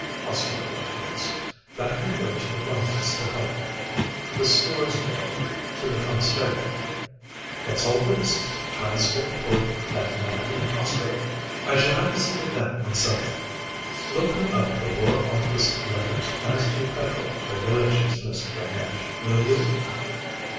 Hospital accounts that can go to the Finance Department.... The Stores bill to the Commissariat. What's all this transport for that man in Hospital? I shall have to see to that myself. Look me up the War Office letters as to Petrol regulations, Miss Delmege, will you?